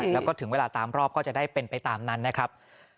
แล้วก็ถึงเวลาตามรอบก็จะได้เป็นไปตามนั้นนะครับ